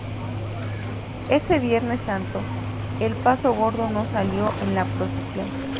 Ese Viernes Santo el Paso Gordo no salió en la procesión.